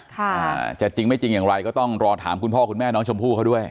ค่ะจะจริงไม่จริงอย่างไรก็ต้องรอถามคุณพ่อคุณแม่น้องชมพู่เขาด้วย